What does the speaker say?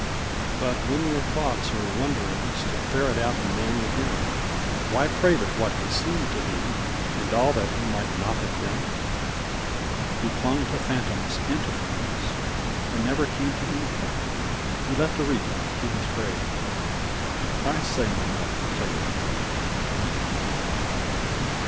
E521 But when were thoughts or wonderings To ferret out the man within ? Why prate of what he seemed to be, And all that he might not have been? He clung to phantoms and to friends, And never came to an3^ng. He left a wreath on Cubit's grave. I say no more for Clavering.